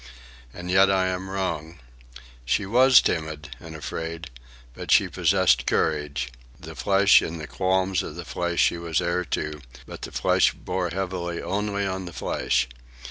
And yet I am wrong. She was timid and afraid, but she possessed courage. The flesh and the qualms of the flesh she was heir to, but the flesh bore heavily only on the flesh.